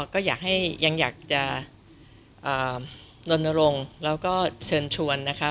ก็ยังอยากจะลนรงค์แล้วก็เชิญชวนนะคะ